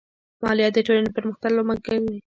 مالیه د ټولنې د پرمختګ لامل دی.